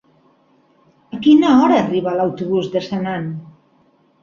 A quina hora arriba l'autobús de Senan?